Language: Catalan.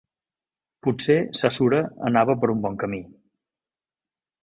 Potser Saussure anava per un bon camí.